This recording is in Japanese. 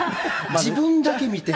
自分だけ見て。